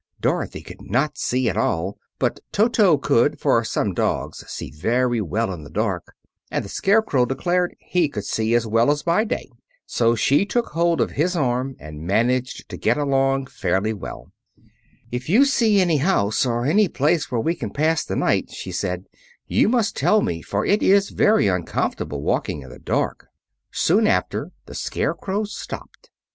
Dorothy could not see at all, but Toto could, for some dogs see very well in the dark; and the Scarecrow declared he could see as well as by day. So she took hold of his arm and managed to get along fairly well. "If you see any house, or any place where we can pass the night," she said, "you must tell me; for it is very uncomfortable walking in the dark." Soon after the Scarecrow stopped.